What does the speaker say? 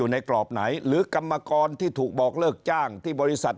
ในกรอบไหนหรือกรรมกรที่ถูกบอกเลิกจ้างที่บริษัท